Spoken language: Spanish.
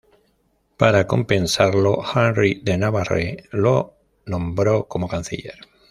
Para compensarlo, Henry de Navarre lo nombró como canciller.